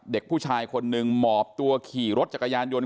เด็กผู้ชายคนหนึ่งหมอบตัวขี่รถจักรยานยนต์